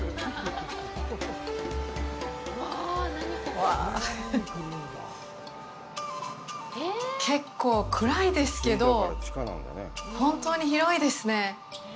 うわぁ、結構暗いですけど本当に広いですね。